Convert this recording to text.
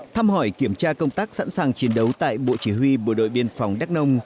thăm hỏi kiểm tra công tác sẵn sàng chiến đấu tại bộ chỉ huy bộ đội biên phòng đắc nông